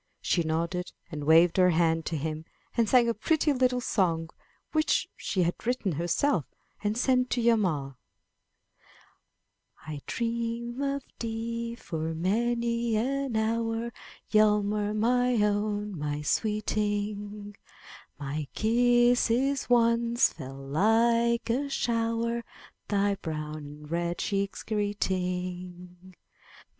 She nodded and waved her hand to him, and sang a pretty little song which she had written herself and sent to Hjalmar: '*I dream of thee for many an hour, Hjalmar, my own, my sweeting; My kisses once fell like a shower, Thy brow and red cheeks greeting.